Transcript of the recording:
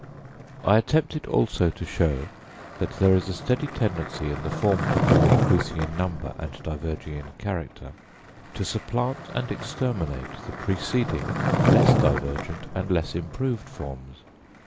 I attempted also to show that there is a steady tendency in the forms which are increasing in number and diverging in character, to supplant and exterminate the preceding, less divergent and less improved forms.